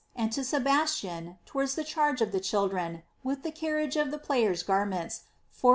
and to Sebaftian, toward* the charge of the children, with the carriage of the player*' girmenta, AL lOi.